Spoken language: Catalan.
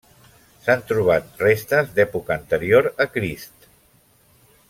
S'han trobat restes d'època anterior a Crist.